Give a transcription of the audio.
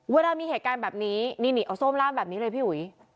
เวลามีเหตุการณ์แบบนี้นี่เอาโซ่มล่ามแบบนี้เลยพี่อุ๋ย